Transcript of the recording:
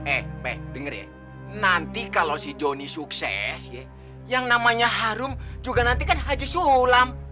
eh mbak denger ya nanti kalau si jonny sukses ya yang namanya harum juga nanti kan haji sulam